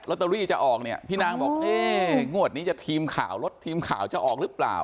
ตอรี่จะออกเนี่ยพี่นางบอกเอ๊งวดนี้จะทีมข่าวรถทีมข่าวจะออกหรือเปล่า